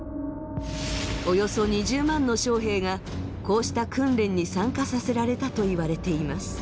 およそ２０万の将兵がこうした訓練に参加させられたといわれています。